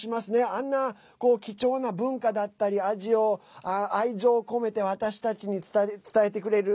あんな貴重な文化だったり味を愛情込めて私たちに伝えてくれる。